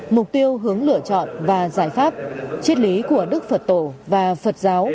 mục tiêu hướng lựa chọn và giải pháp triết lý của đức phật tổ và phật giáo